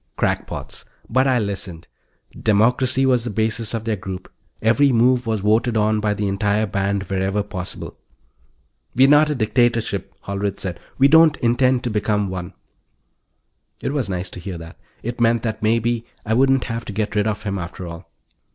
Crackpots. But I listened. Democracy was the basis of their group; every move was voted on by the entire band, wherever possible. "We're not a dictatorship," Hollerith said. "We don't intend to become one." It was nice to hear that; it meant that, maybe, I wouldn't have to get rid of him after all.